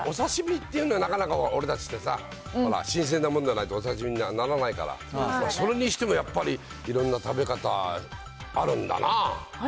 お刺身っていうのはなかなか俺達ってさ、新鮮なものじゃないとお刺身にはならないから、それにしてもやっぱり、いろんな食べ方あるんだなぁ。